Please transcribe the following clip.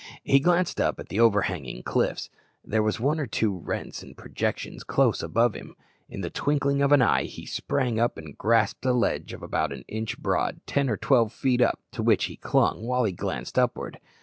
He glanced up at the overhanging cliffs. There were one or two rents and projections close above him. In the twinkling of an eye he sprang up and grasped a ledge of about an inch broad, ten or twelve feet up, to which he clung while he glanced upward.